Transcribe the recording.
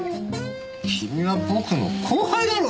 キミは僕の後輩だろ！